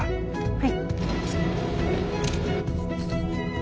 はい。